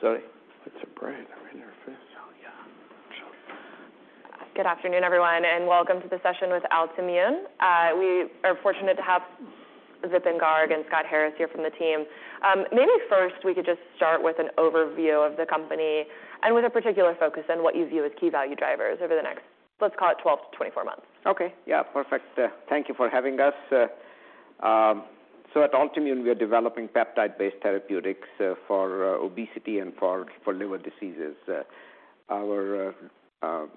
Good afternoon, everyone, and welcome to the session with Altimmune. We are fortunate to have Vipin Garg and Scott Harris here from the team. Maybe first, we could just start with an overview of the company and with a particular focus on what you view as key value drivers over the next, let's call it 12-24 months. Okay. Yeah, perfect. Thank you for having us. At Altimmune, we are developing peptide-based therapeutics for obesity and for liver diseases. Our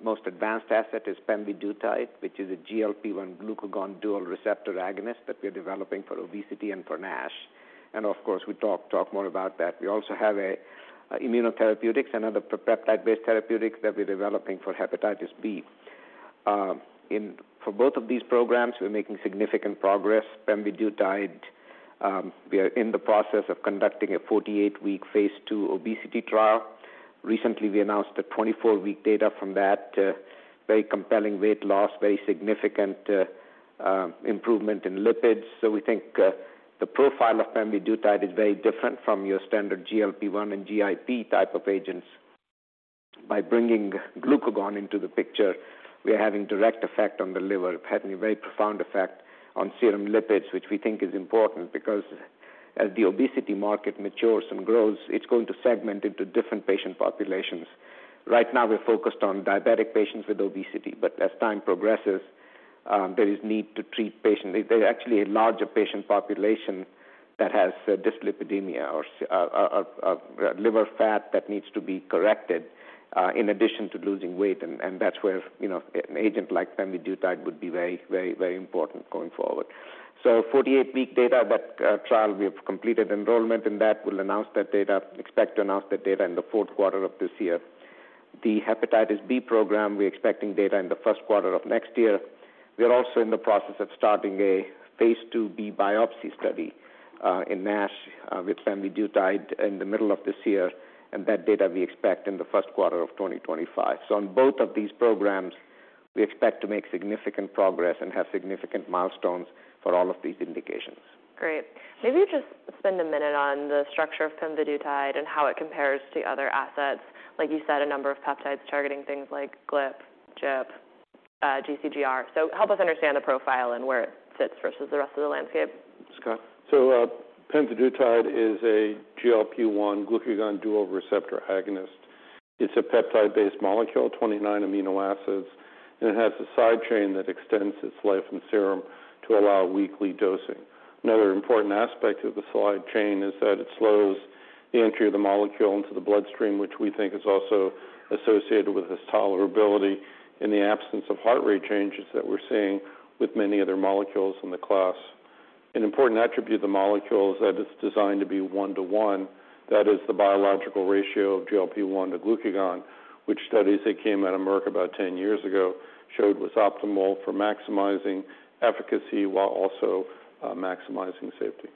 most advanced asset is pemvidutide, which is a GLP-1 glucagon dual receptor agonist that we're developing for obesity and for NASH. Of course, we talk more about that. We also have a immunotherapeutics, another peptide-based therapeutics that we're developing for hepatitis B. For both of these programs, we're making significant progress. Pemvidutide, we are in the process of conducting a 48-week Phase II obesity trial. Recently, we announced the 24-week data from that, very compelling weight loss, very significant improvement in lipids. We think the profile of pemvidutide is very different from your standard GLP-1 and GIP type of agents. By bringing glucagon into the picture, we are having direct effect on the liver, having a very profound effect on serum lipids, which we think is important because as the obesity market matures and grows, it's going to segment into different patient populations. Right now, we're focused on diabetic patients with obesity, but as time progresses, there is need to treat patients. There's actually a larger patient population that has dyslipidemia or liver fat that needs to be corrected, in addition to losing weight, and that's where, you know, an agent like pemvidutide would be very, very, very important going forward. 48-week data, that trial, we have completed enrollment, and expect to announce that data in the fourth quarter of this year. The hepatitis B program, we're expecting data in the first quarter of next year. We are also in the process of starting a Phase IIb biopsy study, in NASH, with pemvidutide in the middle of this year, and that data we expect in the first quarter of 2025. On both of these programs, we expect to make significant progress and have significant milestones for all of these indications. Great. Maybe just spend a minute on the structure of pemvidutide and how it compares to other assets. Like you said, a number of peptides targeting things like GLP, GIP, GCGR. Help us understand the profile and where it sits versus the rest of the landscape. Scott? pemvidutide is a GLP-1/glucagon dual receptor agonist. It's a peptide-based molecule, 29 amino acids, and it has a side chain that extends its life in serum to allow weekly dosing. Another important aspect of the side chain is that it slows the entry of the molecule into the bloodstream, which we think is also associated with this tolerability in the absence of heart rate changes that we're seeing with many other molecules in the class. An important attribute of the molecule is that it's designed to be 1-to-1. That is the biological ratio of GLP-1 to glucagon, which studies that came out of Merck about 10 years ago, showed was optimal for maximizing efficacy while also maximizing safety.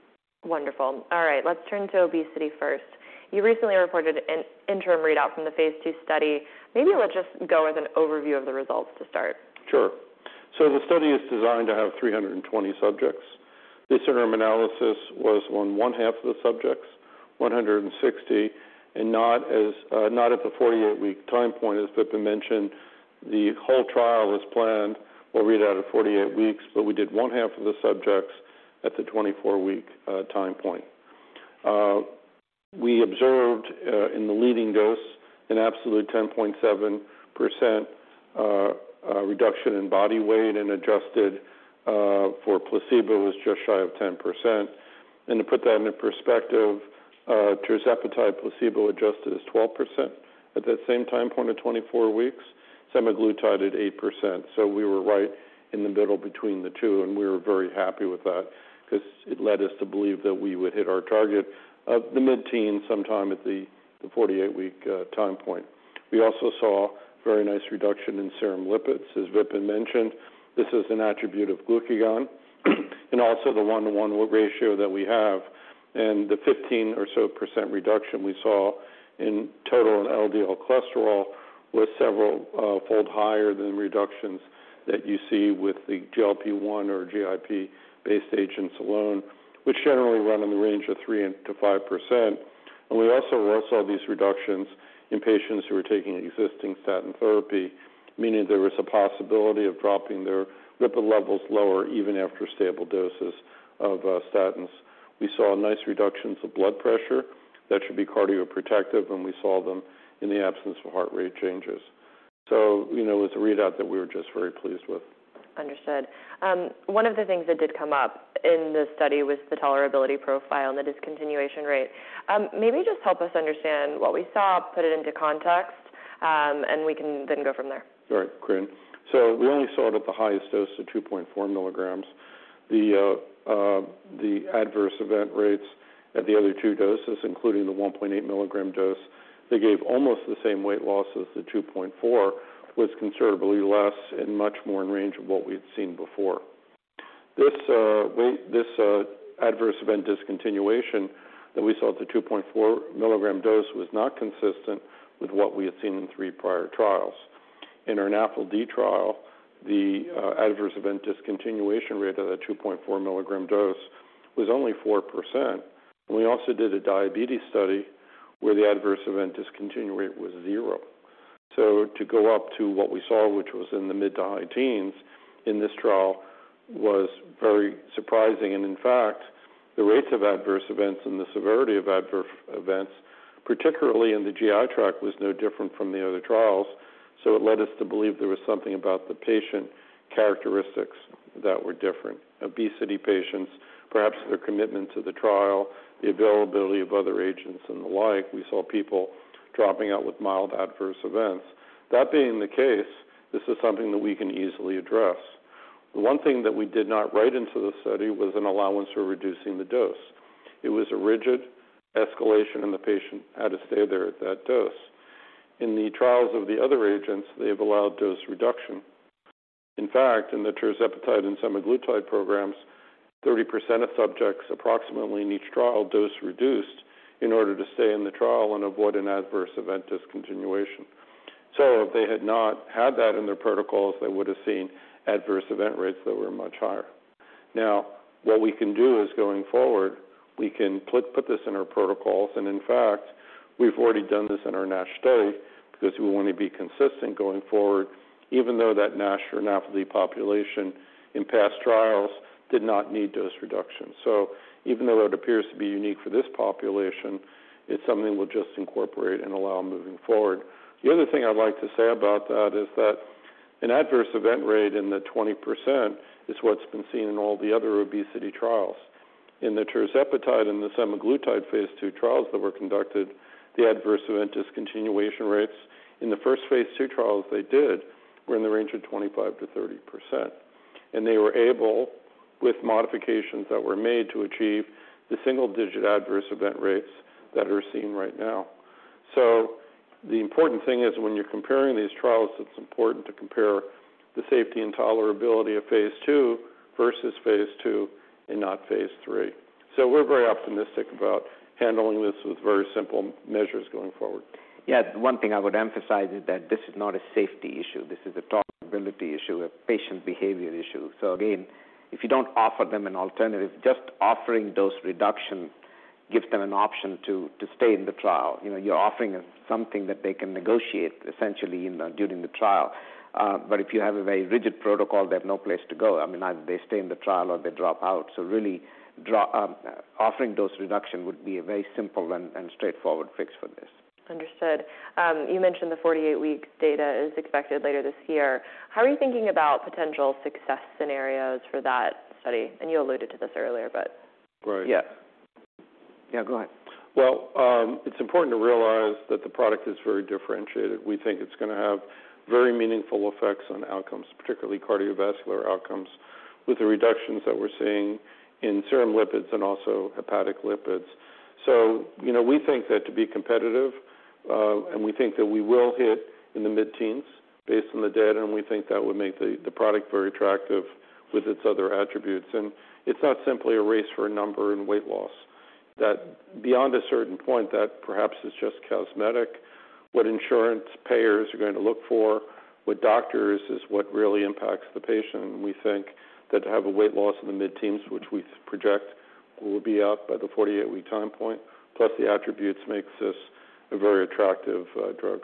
Wonderful. All right, let's turn to obesity first. You recently reported an interim readout from the phase II study. Maybe let's just go with an overview of the results to start. Sure. The study is designed to have 320 subjects. This interim analysis was on one half of the subjects, 160, and not at the 48-week time point, as Vipin mentioned. The whole trial was planned or read out at 48 weeks, but we did one half of the subjects at the 24-week time point. We observed in the leading dose, an absolute 10.7% reduction in body weight and adjusted for placebo, was just shy of 10%. To put that into perspective, tirzepatide placebo adjusted, is 12%. At that same time, point of 24 weeks, semaglutide at 8%. We were right in the middle between the two, and we were very happy with that because it led us to believe that we would hit our target of the mid-teen sometime at the 48-week time point. We also saw very nice reduction in serum lipids. As Vipin mentioned, this is an attribute of glucagon, and also the 1-to-1 ratio that we have, and the 15% or so reduction we saw in total and LDL cholesterol was several fold higher than reductions that you see with the GLP-1 or GIP-based agents alone, which generally run in the range of 3%-5%. We also saw these reductions in patients who were taking existing statin therapy, meaning there was a possibility of dropping their lipid levels lower, even after stable doses of statins. We saw nice reductions of blood pressure that should be cardioprotective, and we saw them in the absence of heart rate changes. You know, it's a readout that we were just very pleased with. Understood. One of the things that did come up in this study was the tolerability profile and the discontinuation rate. Maybe just help us understand what we saw, put it into context, and we can then go from there. All right, great. We only saw it at the highest dose of 2.4 milligrams. The adverse event rates at the other two doses, including the 1.8 milligram dose, they gave almost the same weight loss as the 2.4, was considerably less and much more in range of what we'd seen before. This adverse event discontinuation that we saw at the 2.4 milligram dose was not consistent with what we had seen in three prior trials. In our NAFLD trial, the adverse event discontinuation rate of that 2.4 milligram dose was only 4%. We also did a diabetes study where the adverse event discontinuation rate was 0. To go up to what we saw, which was in the mid to high teens in this trial, was very surprising. In fact, the rates of adverse events and the severity of adverse events, particularly in the GI tract, was no different from the other trials. It led us to believe there was something about the patient characteristics that were different. Obesity patients, perhaps their commitment to the trial, the availability of other agents and the like. We saw people dropping out with mild adverse events. That being the case, this is something that we can easily address. One thing that we did not write into the study was an allowance for reducing the dose. It was a rigid escalation, and the patient had to stay there at that dose. In the trials of the other agents, they have allowed dose reduction. In fact, in the tirzepatide and semaglutide programs, 30% of subjects, approximately in each trial, dose reduced in order to stay in the trial and avoid an adverse event discontinuation. If they had not had that in their protocols, they would have seen adverse event rates that were much higher. What we can do is, going forward, we can put this in our protocols. In fact, we've already done this in our NASH study because we want to be consistent going forward, even though that NASH or NAFLD population in past trials did not need dose reduction. Even though it appears to be unique for this population, it's something we'll just incorporate and allow moving forward. The other thing I'd like to say about that is that an adverse event rate in the 20% is what's been seen in all the other obesity trials. In the tirzepatide and the semaglutide Phase II trials that were conducted, the adverse event discontinuation rates in the first Phase II trials they did were in the range of 25%-30%. They were able, with modifications that were made, to achieve the single-digit adverse event rates that are seen right now. The important thing is when you're comparing these trials, it's important to compare the safety and tolerability of Phase II versus Phase II and not Phase III. We're very optimistic about handling this with very simple measures going forward. Yeah, one thing I would emphasize is that this is not a safety issue. This is a tolerability issue, a patient behavior issue. Again, if you don't offer them an alternative, just offering dose reduction gives them an option to stay in the trial. You know, you're offering them something that they can negotiate essentially in, during the trial. But if you have a very rigid protocol, they have no place to go. I mean, either they stay in the trial or they drop out. Really, offering dose reduction would be a very simple and straightforward fix for this. Understood. You mentioned the 48 week data is expected later this year. How are you thinking about potential success scenarios for that study? You alluded to this earlier. Right. Yes. Yeah, go ahead. It's important to realize that the product is very differentiated. We think it's going to have very meaningful effects on outcomes, particularly cardiovascular outcomes, with the reductions that we're seeing in serum lipids and also hepatic lipids. You know, we think that to be competitive, and we think that we will hit in the mid-teens based on the data, and we think that would make the product very attractive with its other attributes. It's not simply a race for a number in weight loss. Beyond a certain point, that perhaps is just cosmetic. What insurance payers are going to look for with doctors is what really impacts the patient, and we think that to have a weight loss in the mid-teens, which we project will be up by the 48-week time point, plus the attributes, makes this a very attractive drug.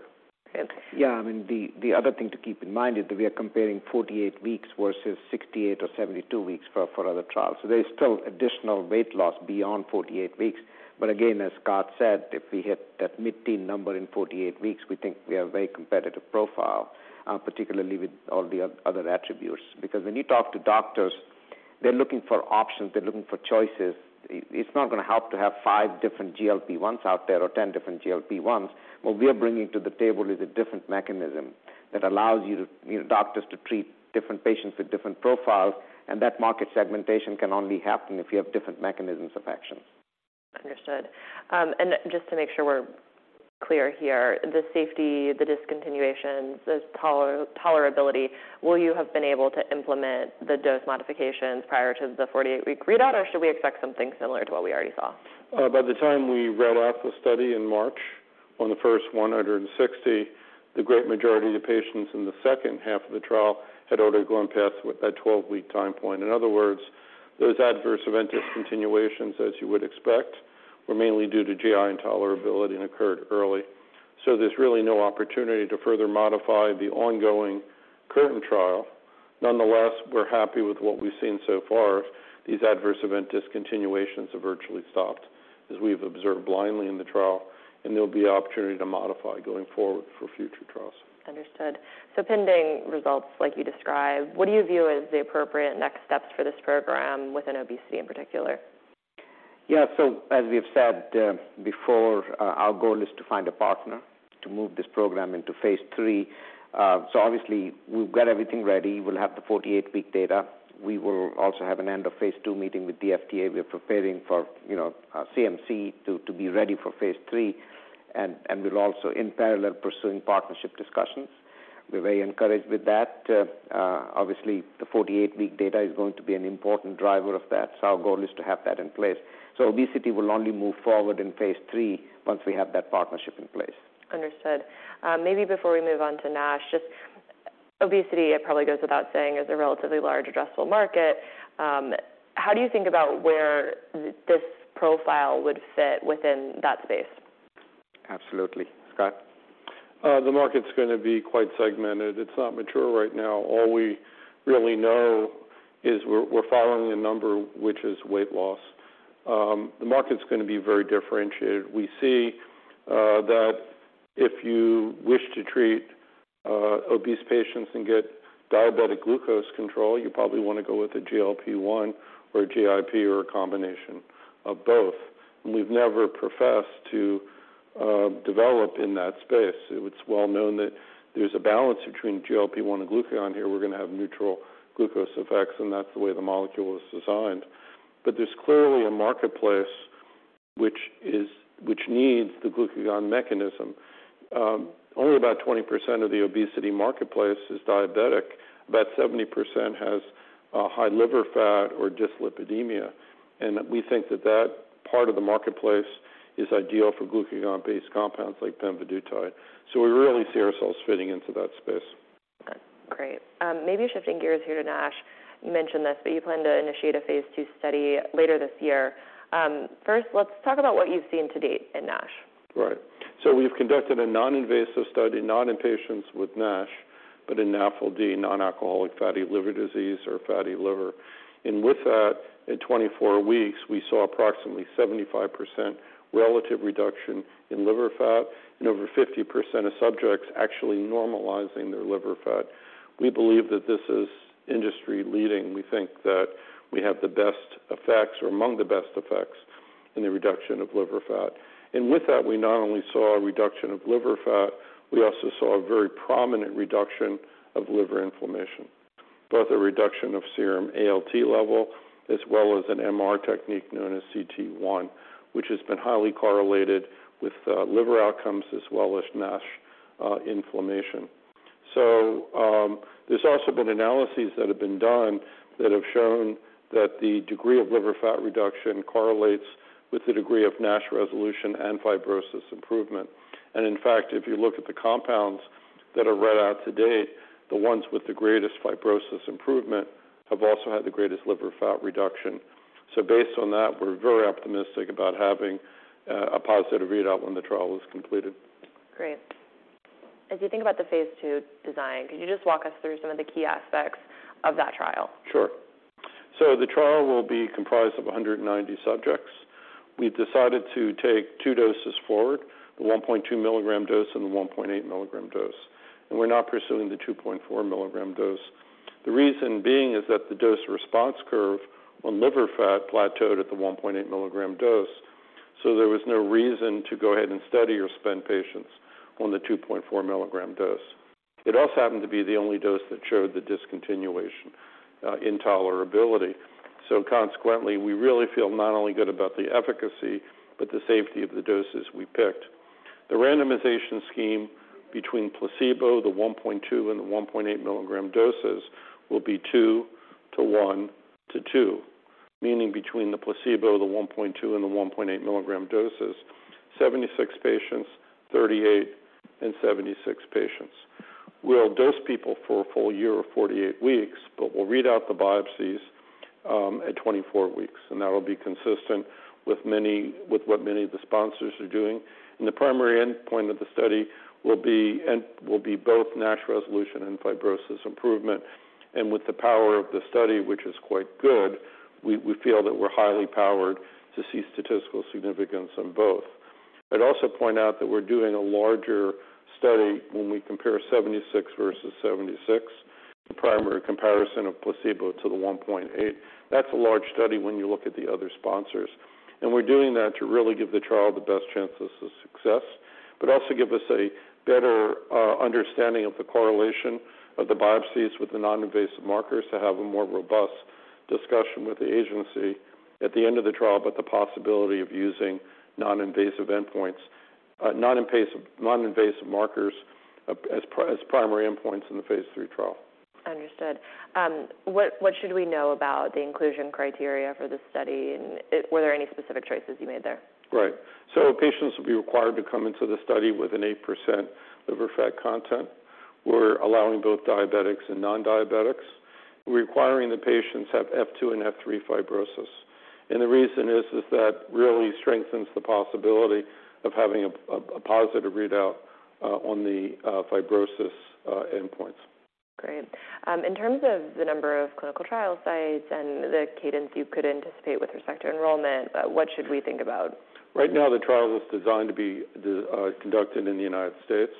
Thanks. Yeah, I mean, the other thing to keep in mind is that we are comparing 48 weeks versus 68 or 72 weeks for other trials. There is still additional weight loss beyond 48 weeks. Again, as Scott said, if we hit that mid-teen number in 48 weeks, we think we have a very competitive profile, particularly with all the other attributes. When you talk to doctors, they're looking for options, they're looking for choices. It's not going to help to have 5 different GLP-1s out there or 10 different GLP-1s. What we are bringing to the table is a different mechanism that allows your doctors to treat different patients with different profiles, and that market segmentation can only happen if you have different mechanisms of action. Understood. Just to make sure we're clear here, the safety, the discontinuations, the tolerability, will you have been able to implement the dose modifications prior to the 48-week readout, or should we expect something similar to what we already saw? By the time we read out the study in March, on the first 160, the great majority of patients in the second half of the trial had already gone past that 12-week time point. In other words, those adverse event discontinuations, as you would expect, were mainly due to GI intolerability and occurred early. There's really no opportunity to further modify the ongoing current trial. Nonetheless, we're happy with what we've seen so far. These adverse event discontinuations have virtually stopped, as we've observed blindly in the trial, and there'll be opportunity to modify going forward for future trials. Understood. Pending results, like you described, what do you view as the appropriate next steps for this program within obesity in particular? Yeah. As we have said, before, our goal is to find a partner to move this program into phase III. Obviously, we've got everything ready. We'll have the 48-week data. We will also have an End-of-Phase II meeting with the FDA. We are preparing for, you know, CMC to be ready for phase III, and we're also in parallel, pursuing partnership discussions. We're very encouraged with that. Obviously, the 48-week data is going to be an important driver of that, so our goal is to have that in place. Obesity will only move forward in phase III once we have that partnership in place. Understood. Maybe before we move on to NASH, obesity, it probably goes without saying, is a relatively large addressable market. How do you think about where this profile would fit within that space? Absolutely. Scott? The market's going to be quite segmented. It's not mature right now. All we really know is we're following a number, which is weight loss. The market's going to be very differentiated. We see that if you wish to treat obese patients and get diabetic glucose control, you probably want to go with a GLP-1 or a GIP or a combination of both. We've never professed to develop in that space. It's well known that there's a balance between GLP-1 and glucagon. Here, we're going to have neutral glucose effects, and that's the way the molecule is designed. There's clearly a marketplace which needs the glucagon mechanism. Only about 20% of the obesity marketplace is diabetic. About 70% has high liver fat or dyslipidemia. We think that that part of the marketplace is ideal for glucagon-based compounds like pemvidutide. We really see ourselves fitting into that space. Great. maybe shifting gears here to NASH. You mentioned this, but you plan to initiate a phase II study later this year. first, let's talk about what you've seen to date in NASH. Right. We've conducted a non-invasive study, not in patients with NASH, but in NAFLD, Nonalcoholic Fatty Liver Disease or fatty liver. With that, at 24 weeks, we saw approximately 75% relative reduction in liver fat and over 50% of subjects actually normalizing their liver fat. We believe that this is industry-leading. We think that we have the best effects or among the best effects in the reduction of liver fat. With that, we not only saw a reduction of liver fat, we also saw a very prominent reduction of liver inflammation, both a reduction of serum ALT level, as well as an MR technique known as cT1, which has been highly correlated with liver outcomes as well as NASH inflammation. There's also been analyses that have been done that have shown that the degree of liver fat reduction correlates with the degree of NASH resolution and fibrosis improvement. In fact, if you look at the compounds that are read out to date, the ones with the greatest fibrosis improvement have also had the greatest liver fat reduction. Based on that, we're very optimistic about having a positive readout when the trial is completed. Great. As you think about the phase II design, could you just walk us through some of the key aspects of that trial? Sure. The trial will be comprised of 190 subjects. We've decided to take two doses forward, the 1.2 milligram dose and the 1.8 milligram dose, and we're not pursuing the 2.4 milligram dose. The reason being is that the dose response curve on liver fat plateaued at the 1.8 milligram dose. There was no reason to go ahead and study or spend patients on the 2.4 milligram dose. It also happened to be the only dose that showed the discontinuation, intolerability. Consequently, we really feel not only good about the efficacy, but the safety of the doses we picked. The randomization scheme between placebo, the 1.2 and the 1.8 mg doses, will be 2 to 1 to 2, meaning between the placebo, the 1.2, and the 1.8 mg doses, 76 patients, 38, and 76 patients. We'll dose people for a full year or 48 weeks, but we'll read out the biopsies at 24 weeks, that will be consistent with what many of the sponsors are doing. The primary endpoint of the study will be both NASH resolution and fibrosis improvement. With the power of the study, which is quite good, we feel that we're highly powered to see statistical significance on both. I'd also point out that we're doing a larger study when we compare 76 versus 76, the primary comparison of placebo to the 1.8. That's a large study when you look at the other sponsors. We're doing that to really give the trial the best chances of success, but also give us a better understanding of the correlation of the biopsies with the non-invasive markers to have a more robust discussion with the agency at the end of the trial, about the possibility of using non-invasive endpoints, non-invasive markers as primary endpoints in the Phase III trial. Understood. What should we know about the inclusion criteria for this study? Were there any specific choices you made there? Right. Patients will be required to come into the study with an 8% liver fat content. We're allowing both diabetics and non-diabetics, requiring the patients have F2 and F3 fibrosis. The reason is that really strengthens the possibility of having a positive readout on the fibrosis endpoints. Great. In terms of the number of clinical trial sites and the cadence you could anticipate with respect to enrollment, what should we think about? Right now, the trial is designed to be conducted in the United States.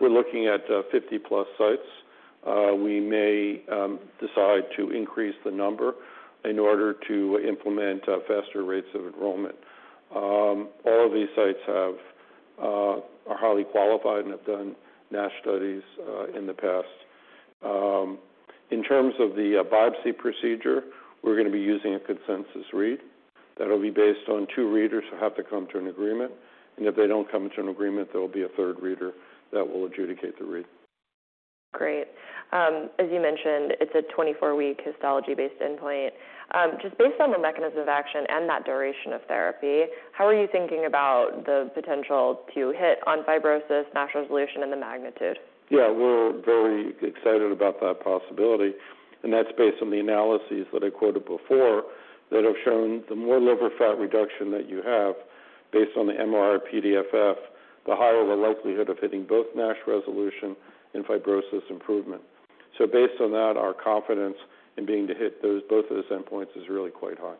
We're looking at 50-plus sites. We may decide to increase the number in order to implement faster rates of enrollment. All of these sites are highly qualified and have done NASH studies in the past. In terms of the biopsy procedure, we're going to be using a consensus read that'll be based on two readers who have to come to an agreement. If they don't come to an agreement, there will be a third reader that will adjudicate the read. Great. as you mentioned, it's a 24-week histology-based endpoint. just based on the mechanism of action and that duration of therapy, how are you thinking about the potential to hit on fibrosis, NASH resolution, and the magnitude? We're very excited about that possibility, and that's based on the analyses that I quoted before, that have shown the more liver fat reduction that you have, based on the MRI-PDFF, the higher the likelihood of hitting both NASH resolution and fibrosis improvement. Based on that, our confidence in being to hit those, both of those endpoints is really quite high.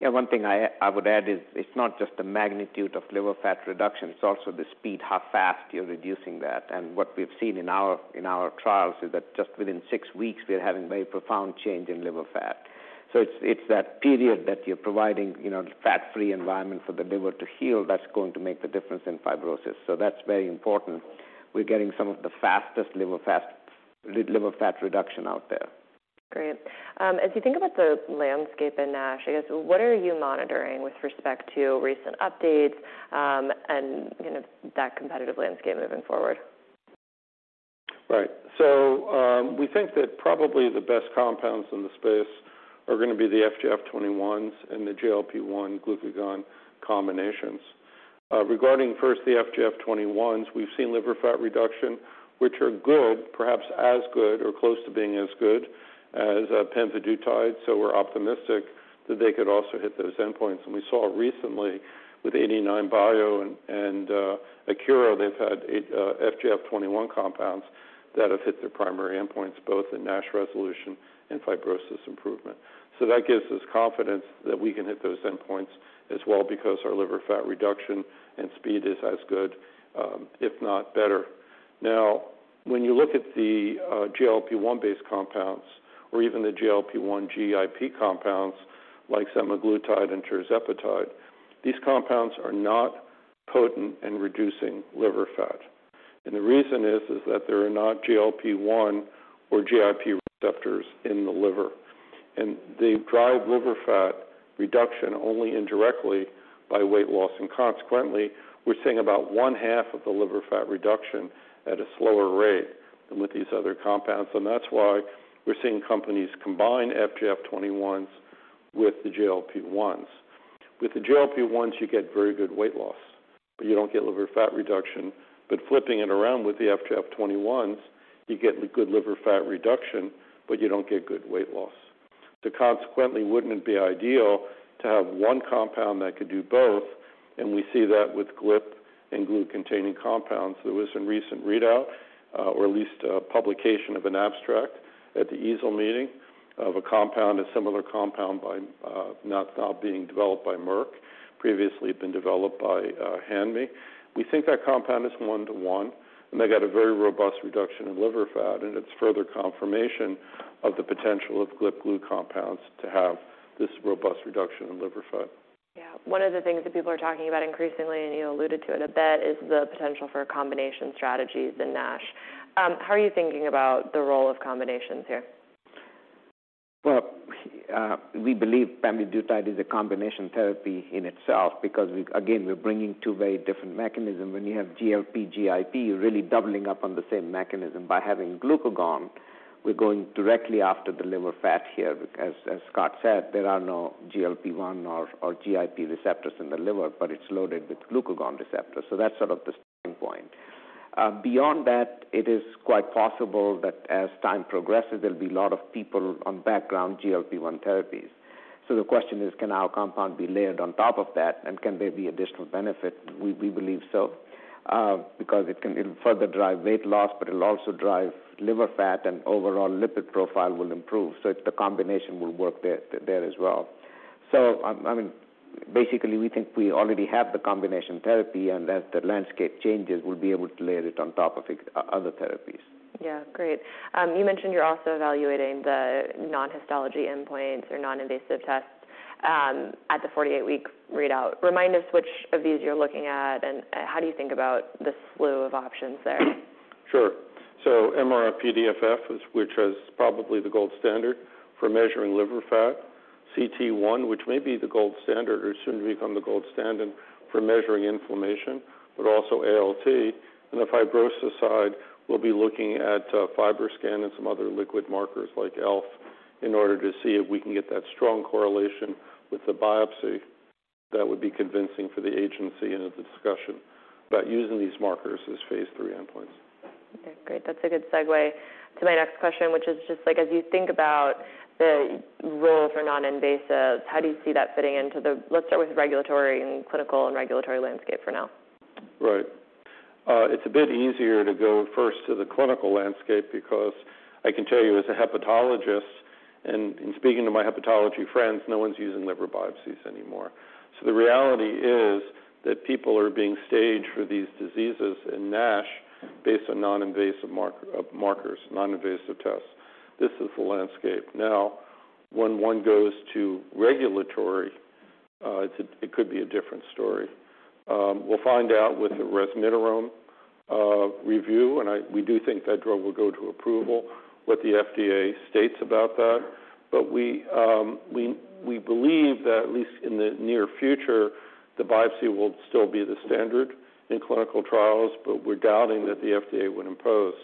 Yeah, one thing I would add is it's not just the magnitude of liver fat reduction, it's also the speed, how fast you're reducing that. What we've seen in our, in our trials is that just within six weeks, we're having very profound change in liver fat. It's that period that you're providing, you know, fat-free environment for the liver to heal, that's going to make the difference in fibrosis. That's very important. We're getting some of the fastest liver fat reduction out there. Great. As you think about the landscape in NASH, I guess, what are you monitoring with respect to recent updates, and, you know, that competitive landscape moving forward? Right. We think that probably the best compounds in the space are gonna be the FGF21s and the GLP-1/glucagon combinations. Regarding first, the FGF21s, we've seen liver fat reduction, which are good, perhaps as good or close to being as good as pemvidutide. We're optimistic that they could also hit those endpoints. We saw recently with 89bio and Akero Therapeutics, they've had FGF21 compounds that have hit their primary endpoints, both in NASH resolution and fibrosis improvement. That gives us confidence that we can hit those endpoints as well, because our liver fat reduction and speed is as good, if not better. When you look at the GLP-1 based compounds or even the GLP-1 GIP compounds, like semaglutide and tirzepatide, these compounds are not potent in reducing liver fat. The reason is that there are not GLP-1 or GIP receptors in the liver, and they drive liver fat reduction only indirectly by weight loss. Consequently, we're seeing about 1/2 of the liver fat reduction at a slower rate than with these other compounds. That's why we're seeing companies combine FGF21s with the GLP-1s. With the GLP-1s, you get very good weight loss, but you don't get liver fat reduction. Flipping it around with the FGF21s, you get the good liver fat reduction, but you don't get good weight loss. Consequently, wouldn't it be ideal to have one compound that could do both? We see that with GLP and glu containing compounds. There was a recent readout, or at least a publication of an abstract at the EASL Meeting of a compound, a similar compound by, now being developed by Merck, previously been developed by Hanmi. We think that compound is one-to-one. They got a very robust reduction in liver fat. It's further confirmation of the potential of GLP glu compounds to have this robust reduction in liver fat. One of the things that people are talking about increasingly, and you alluded to it a bit, is the potential for combination strategies in NASH. How are you thinking about the role of combinations here? we believe pemvidutide is a combination therapy in itself, because again, we're bringing two very different mechanism. When you have GLP GIP, you're really doubling up on the same mechanism. By having glucagon, we're going directly after the liver fat here, because as Scott said, there are no GLP-1 or GIP receptors in the liver, but it's loaded with glucagon receptors. That's sort of the starting point. Beyond that, it is quite possible that as time progresses, there'll be a lot of people on background GLP-1 therapies. The question is, can our compound be layered on top of that, and can there be additional benefit? We believe so, because it can further drive weight loss, but it'll also drive liver fat and overall lipid profile will improve. The combination will work there as well. I mean, basically, we think we already have the combination therapy, and as the landscape changes, we'll be able to layer it on top of other therapies. Yeah. Great. You mentioned you're also evaluating the non-histology endpoints or non-invasive tests, at the 48-week readout. Remind us which of these you're looking at, and how do you think about the slew of options there? Sure. MRI-PDFF, is which is probably the gold standard for measuring liver fat, cT1, which may be the gold standard or soon to become the gold standard for measuring inflammation, but also ALT. On the fibrosis side, we'll be looking at FibroScan and some other liquid markers like ELF, in order to see if we can get that strong correlation with the biopsy. That would be convincing for the agency in a discussion about using these markers as phase III endpoints. Okay, great. That's a good segue to my next question, which is just like, as you think about the role for non-invasives, how do you see that fitting into the regulatory and clinical and regulatory landscape for now. Right. It's a bit easier to go first to the clinical landscape because I can tell you as a hepatologist, and in speaking to my hepatology friends, no one's using liver biopsies anymore. The reality is that people are being staged for these diseases and NASH based on non-invasive markers, non-invasive tests. This is the landscape. When one goes to regulatory, it could be a different story. We'll find out with the resmetirom review. We do think that drug will go to approval, what the FDA states about that. We believe that at least in the near future, the biopsy will still be the standard in clinical trials, but we're doubting that the FDA would impose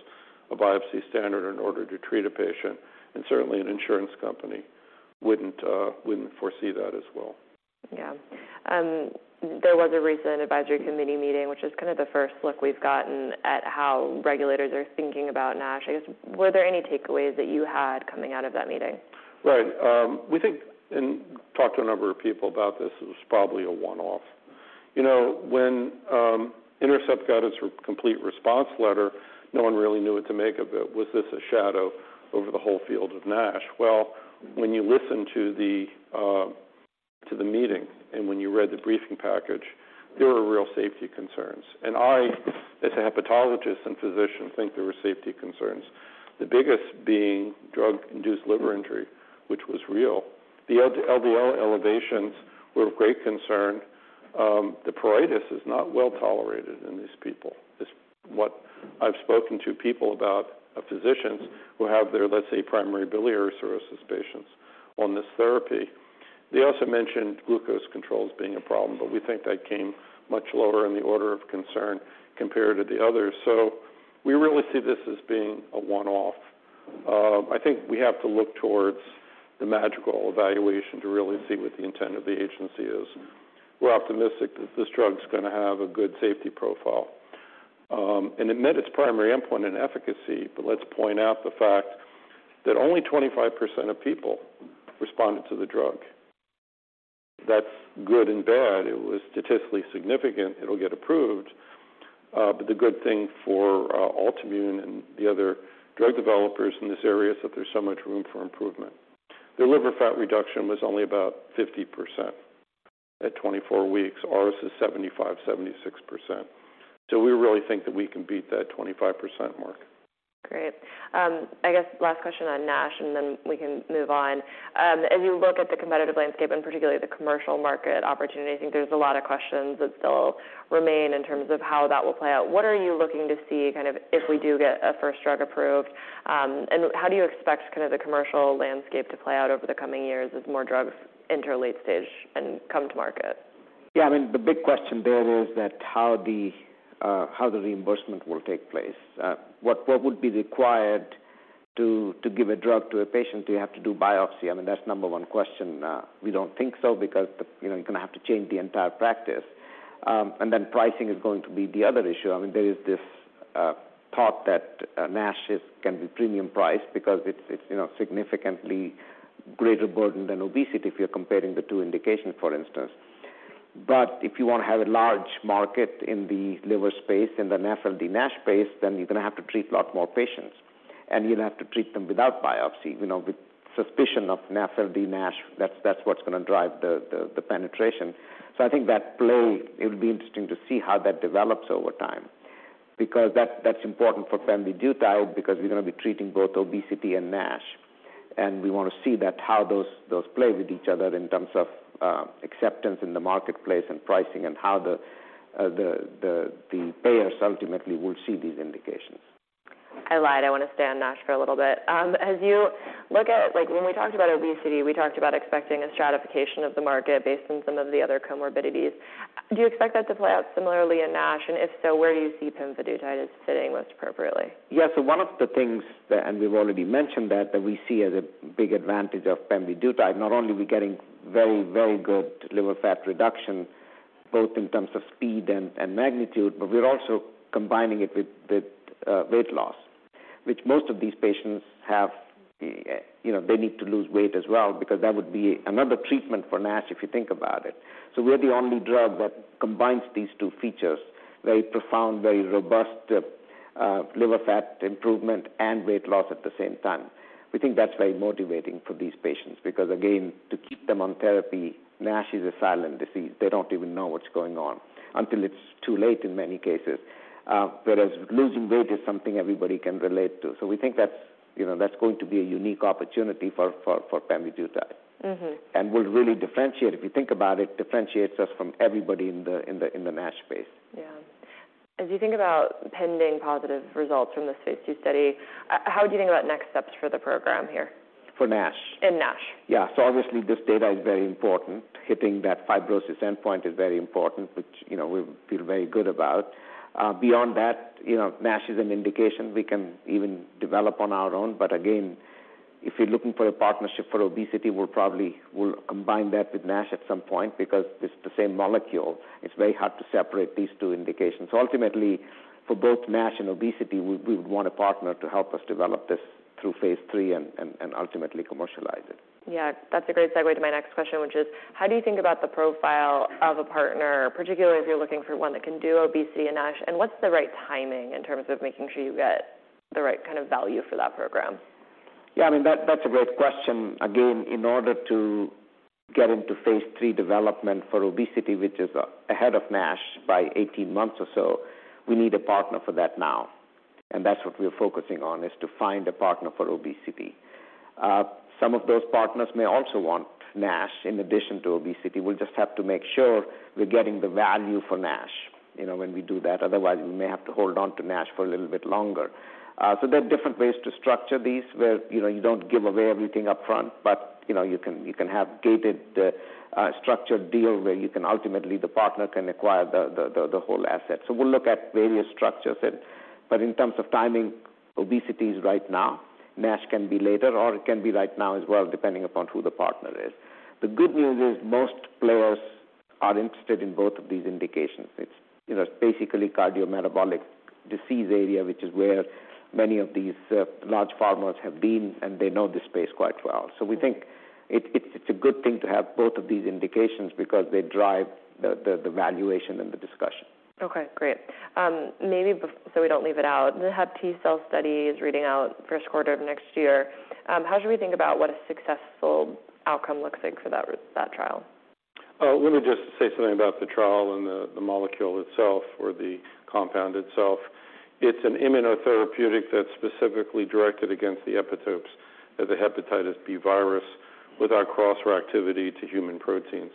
a biopsy standard in order to treat a patient, and certainly an insurance company wouldn't foresee that. Yeah. There was a recent advisory committee meeting, which is kind of the first look we've gotten at how regulators are thinking about NASH. I guess, were there any takeaways that you had coming out of that meeting? Right. We think, and talked to a number of people about this, it was probably a one-off. You know, when Intercept got its complete response letter, no one really knew what to make of it. Was this a shadow over the whole field of NASH? Well, when you listen to the meeting, and when you read the briefing package, there were real safety concerns. I, as a hepatologist and physician, think there were safety concerns. The biggest being drug-induced liver injury, which was real. The LDL elevations were of great concern. The pruritus is not well tolerated in these people. What I've spoken to people about, physicians, who have their, let's say, primary biliary cholangitis patients on this therapy. They also mentioned glucose controls being a problem, we think that came much lower in the order of concern compared to the others. We really see this as being a one-off. I think we have to look towards the histological evaluation to really see what the intent of the agency is. We're optimistic that this drug is going to have a good safety profile. And it met its primary endpoint in efficacy, let's point out the fact that only 25% of people responded to the drug. That's good and bad. It was statistically significant, it'll get approved. The good thing for Altimmune and the other drug developers in this area, is that there's so much room for improvement. The liver fat reduction was only about 50% at 24 weeks. Ours is 75%, 76%. We really think that we can beat that 25% mark. Great. I guess last question on NASH, then we can move on. As you look at the competitive landscape, and particularly the commercial market opportunity, I think there's a lot of questions that still remain in terms of how that will play out. What are you looking to see, kind of, if we do get a first drug approved, and how do you expect kind of the commercial landscape to play out over the coming years as more drugs enter late stage and come to market? Yeah, I mean, the big question there is that how the reimbursement will take place. What would be required to give a drug to a patient, do you have to do biopsy? I mean, that's number one question. We don't think so because, you know, you're going to have to change the entire practice. Then pricing is going to be the other issue. I mean, there is this thought that NASH can be premium priced because it's, you know, significantly greater burden than obesity, if you're comparing the two indications, for instance. If you want to have a large market in the liver space, in the NAFLD NASH space, then you're going to have to treat a lot more patients, and you'll have to treat them without biopsy. You know, with suspicion of NAFLD NASH, that's what's going to drive the penetration. I think that play, it'll be interesting to see how that develops over time, because that's important for pemvidutide, because we're going to be treating both obesity and NASH. We want to see that, how those play with each other in terms of acceptance in the marketplace and pricing, and how the payers ultimately will see these indications. I lied. I want to stay on NASH for a little bit. As you look at... Like, when we talked about obesity, we talked about expecting a stratification of the market based on some of the other comorbidities. Do you expect that to play out similarly in NASH? If so, where do you see pemvidutide as fitting most appropriately? One of the things that, and we've already mentioned that we see as a big advantage of pemvidutide, not only are we getting very, very good liver fat reduction, both in terms of speed and magnitude, but we're also combining it with weight loss, which most of these patients have, you know, they need to lose weight as well, because that would be another treatment for NASH, if you think about it. We're the only drug that combines these two features, very profound, very robust, liver fat improvement and weight loss at the same time. We think that's very motivating for these patients, because, again, to keep them on therapy, NASH is a silent disease. They don't even know what's going on until it's too late in many cases, whereas losing weight is something everybody can relate to. We think that's, you know, that's going to be a unique opportunity for pemvidutide. Mm-hmm. will really differentiate, if you think about it, differentiates us from everybody in the NASH space. As you think about pending positive results from this Phase II study, how would you think about next steps for the program here? For NASH? In NASH. Obviously, this data is very important. Hitting that fibrosis endpoint is very important, which, you know, we feel very good about. Beyond that, you know, NASH is an indication we can even develop on our own. Again, if you're looking for a partnership for obesity, we'll combine that with NASH at some point, because it's the same molecule. It's very hard to separate these two indications. Ultimately, for both NASH and obesity, we would want a partner to help us develop this through phase three and ultimately commercialize it. Yeah, that's a great segue to my next question, which is: How do you think about the profile of a partner, particularly if you're looking for one that can do obesity and NASH, and what's the right timing in terms of making sure you get the right kind of value for that program? I mean, that's a great question. Again, in order to get into phase 3 development for obesity, which is ahead of NASH by 18 months or so, we need a partner for that now. That's what we're focusing on, is to find a partner for obesity. Some of those partners may also want NASH in addition to obesity. We'll just have to make sure we're getting the value for NASH, you know, when we do that. Otherwise, we may have to hold on to NASH for a little bit longer. There are different ways to structure these, where, you know, you don't give away everything upfront, but, you know, you can, you can have gated, structured deal, where you can ultimately, the partner can acquire the whole asset. We'll look at various structures. In terms of timing, obesity is right now, NASH can be later, or it can be right now as well, depending upon who the partner is. The good news is most players are interested in both of these indications. It's, you know, basically cardiometabolic disease area, which is where many of these large pharmas have been, and they know this space quite well. We think it's a good thing to have both of these indications because they drive the valuation and the discussion. Okay, great. so we don't leave it out, the HepTcell study is reading out first quarter of next year. How should we think about what a successful outcome looks like for that trial? Let me just say something about the trial and the molecule itself or the compound itself. It's an immunotherapeutic that's specifically directed against the epitopes of the hepatitis B virus without cross-reactivity to human proteins.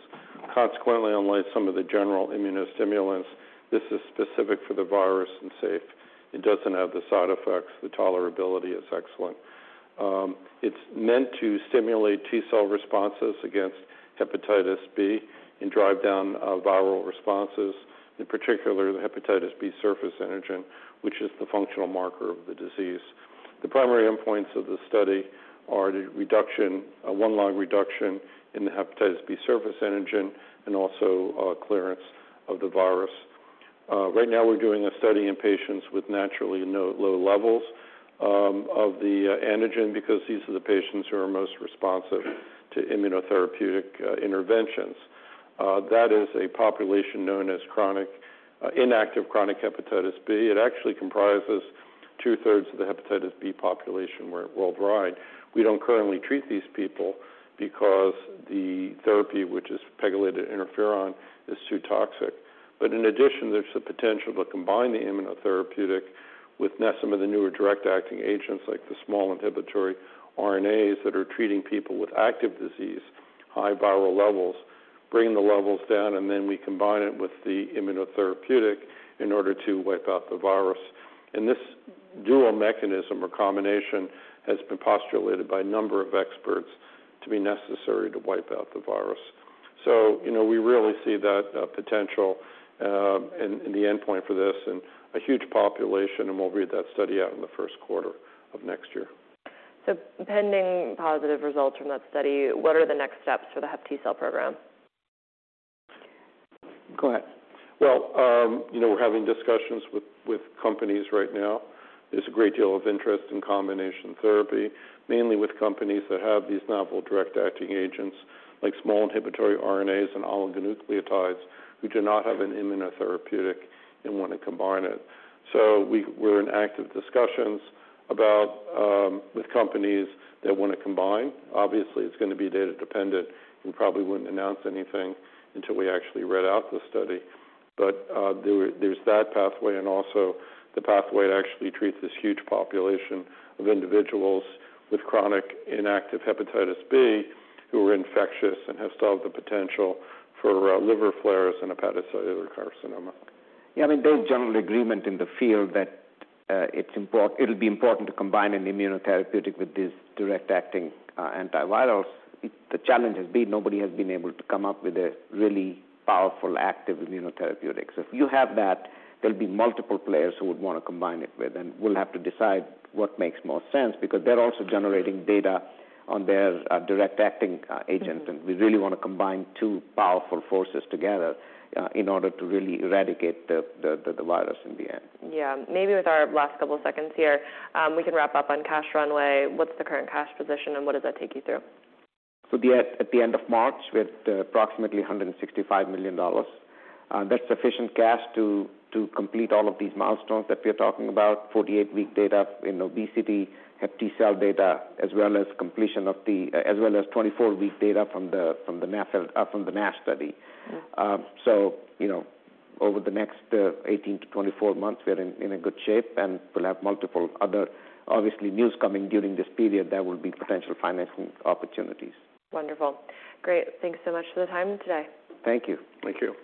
Consequently, unlike some of the general immunostimulants, this is specific for the virus and safe. It doesn't have the side effects. The tolerability is excellent. It's meant to stimulate T cell responses against hepatitis B and drive down viral responses, in particular, the hepatitis B surface antigen, which is the functional marker of the disease. The primary endpoints of this study are the reduction, a 1-log reduction in the hepatitis B surface antigen and also clearance of the virus. Right now, we're doing a study in patients with naturally low levels of the antigen, because these are the patients who are most responsive to immunotherapeutic interventions. That is a population known as inactive chronic hepatitis B. It actually comprises two-thirds of the hepatitis B population worldwide. We don't currently treat these people because the therapy, which is pegylated interferon, is too toxic. In addition, there's the potential to combine the immunotherapeutic with some of the newer direct-acting agents, like the small interfering RNA that are treating people with active disease, high viral levels, bring the levels down, and then we combine it with the immunotherapeutic in order to wipe out the virus. This dual mechanism or combination has been postulated by a number of experts to be necessary to wipe out the virus. You know, we really see that potential in the endpoint for this and a huge population, and we'll read that study out in the first quarter of next year. Pending positive results from that study, what are the next steps for the HepTcell program? Go ahead. Well, you know, we're having discussions with companies right now. There's a great deal of interest in combination therapy, mainly with companies that have these novel direct-acting agents, like small interfering RNA and oligonucleotides, who do not have an immunotherapeutic and want to combine it. We're in active discussions about with companies that want to combine. Obviously, it's going to be data dependent, and probably wouldn't announce anything until we actually read out the study. There's that pathway and also the pathway to actually treat this huge population of individuals with chronic inactive hepatitis B, who are infectious and have still the potential for liver flares and hepatocellular carcinoma. Yeah, I mean, there's general agreement in the field that it'll be important to combine an immunotherapeutic with these direct-acting antivirals. The challenge has been nobody has been able to come up with a really powerful, active immunotherapeutic. If you have that, there'll be multiple players who would want to combine it with, and we'll have to decide what makes more sense, because they're also generating data on their direct-acting agent. Mm-hmm. We really want to combine two powerful forces together, in order to really eradicate the virus in the end. Maybe with our last couple seconds here, we can wrap up on cash runway. What's the current cash position, and what does that take you through? At the end of March, with approximately $165 million, that's sufficient cash to complete all of these milestones that we are talking about, 48-week data in obesity, HepTcell data, as well as completion of the, as well as 24-week data from the NASH study. Mm-hmm. You know, over the next 18 to 24 months, we're in a good shape, and we'll have multiple other obviously news coming during this period. There will be potential financing opportunities. Wonderful. Great. Thanks so much for the time today. Thank you. Thank you.